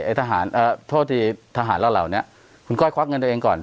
ทหารโทษที่ทหารเราเหล่านี้คุณก้อยควักเงินตัวเองก่อน